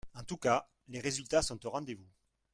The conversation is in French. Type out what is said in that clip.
En tout cas, les résultats sont au rendez-vous